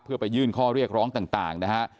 เพื่อไปยื่นข้อเรียกร้องต่างนะฮะ